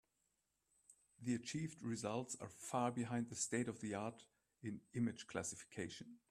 The achieved results are far behind the state-of-the-art in image classification.